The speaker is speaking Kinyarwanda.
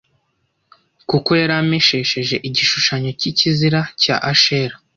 kuko yari aremesheje igishushanyo cy’ikizira cya Ashera